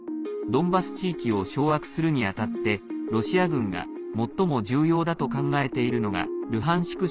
ドンバス地域を掌握するにあたってロシア軍が最も重要だと考えているのがルハンシク